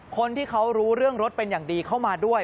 คนที่เขารู้เรื่องรถเป็นอย่างดีเข้ามาด้วย